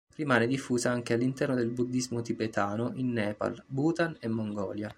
Rimane diffusa anche all'interno del buddismo tibetano in Nepal, Bhutan e Mongolia.